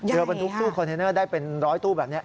บรรทุกตู้คอนเทนเนอร์ได้เป็นร้อยตู้แบบนี้